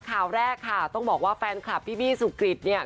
ข่าวแรกค่ะต้องบอกว่าแฟนคลับพี่บี้สุกริตเนี่ย